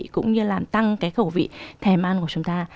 cũng như làm tăng cái khẩu vị thèm ăn của chúng ta